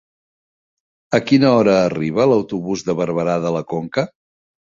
A quina hora arriba l'autobús de Barberà de la Conca?